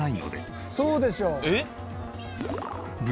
そうでしょ。えっ？